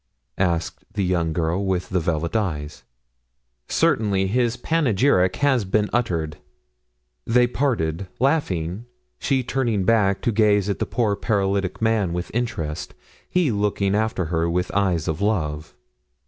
asked the young girl with the velvet eyes. "Certainly; his panegyric has been uttered." They parted, laughing, she turning back to gaze at the poor paralytic man with interest, he looking after her with eyes of love.